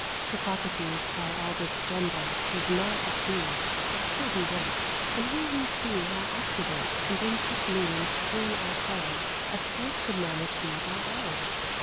Hippocrates, by all this jumble, Was not deceived, but still he went; And here we see how accident Can bring such meetings 'tween ourselves As scarce could managed be by elves.